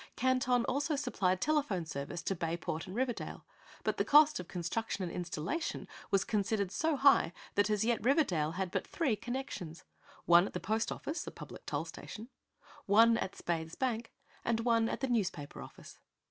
Canton also supplied telephone service to Bayport and Riverdale, but the cost of construction and installation was considered so high that as yet Riverdale had but three connections: one at the post office, a public toll station; one at Spaythe's bank and one at the newspaper office.